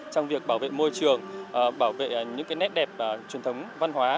trong việc bảo vệ môi trường bảo vệ những nét đẹp truyền thống văn hóa